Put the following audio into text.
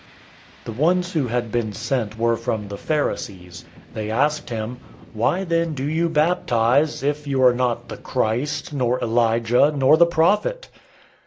001:024 The ones who had been sent were from the Pharisees. 001:025 They asked him, "Why then do you baptize, if you are not the Christ, nor Elijah, nor the Prophet?"